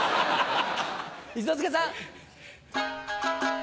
一之輔さん。